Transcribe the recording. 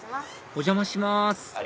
お邪魔します